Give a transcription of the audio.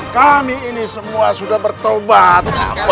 kami ini semua sudah bertobat